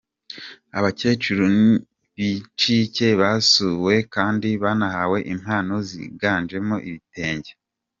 Abakecuru b’incike basuwe kandi banahawe impano ziganjemo ibitenge.